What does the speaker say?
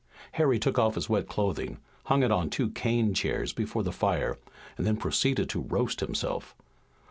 Harry took off his wet clothing, hung it on two cane chairs before the fire and then proceeded to roast himself.